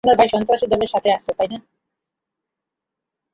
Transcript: আপনার ভাই সন্ত্রাসী দলের সাথে আছে, তাই না?